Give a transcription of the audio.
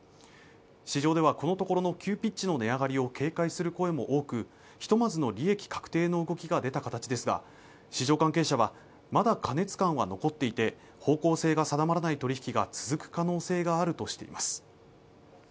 市場ではこのところの急ピッチの値上がりを警戒する声も多く、ひとまずの利益確定の動きが出た形ですが、市場関係者は、まだ過熱感は残っていて方向性が定まらない取引が続く可能性があるとしています。